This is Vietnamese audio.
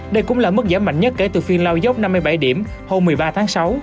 đây cũng là mức giảm mạnh nhất kể từ phiên lao dốc năm mươi bảy điểm hôm một mươi ba tháng sáu